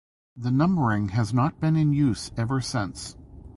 The numbering has not been in use ever since.